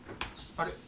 あれ？